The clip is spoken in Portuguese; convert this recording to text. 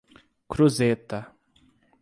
Cruzeta